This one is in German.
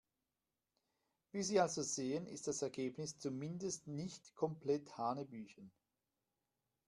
Wie Sie also sehen, ist das Ergebnis zumindest nicht komplett hanebüchen.